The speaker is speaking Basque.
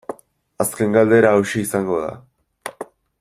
Azken galdera hauxe izango da.